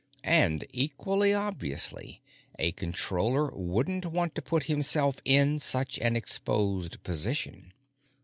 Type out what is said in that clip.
And, equally obviously, a Controller wouldn't want to put himself in such an exposed position.